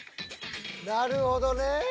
なるほどねえ！